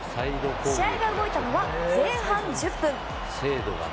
試合が動いたのは前半１０分。